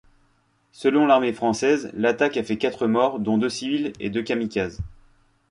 Selon l'armée française, l'attaque a fait quatre morts, dont deux civils et deux kamikazes.